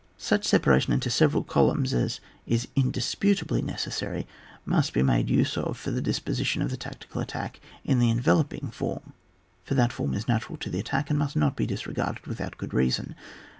Such separation into several columns as is indispensably necessary must be made use of for the disposition of the tactical attack in the enveloping form, for that form is natural to the attack, and must not be disregarded without good reason.